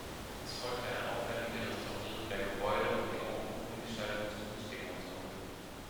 Es folgte eine aufwändige Restaurierung der Gebäude und die Umgestaltung zur Fußgängerzone.